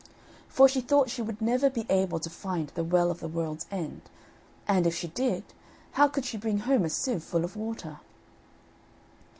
For she thought she would never be able to find the Well of the World's End, and, if she did, how could she bring home a sieve full of water?